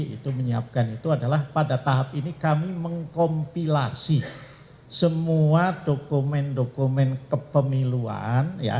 itu menyiapkan itu adalah pada tahap ini kami mengkompilasi semua dokumen dokumen kepemiluan